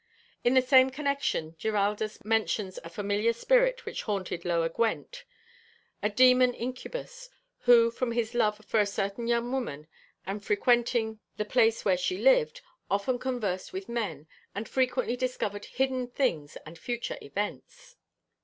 In the same connection Giraldus mentions a familiar spirit which haunted Lower Gwent, 'a demon incubus, who from his love for a certain young woman, and frequenting the place where she lived, often conversed with men, and frequently discovered hidden things and future events.'